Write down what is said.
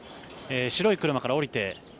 白い車から降りて